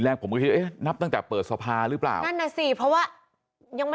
แรกผมก็นับตั้งจากเปิดสภาหรือเปล่านั่นน่ะสิเพราะว่ายังไม่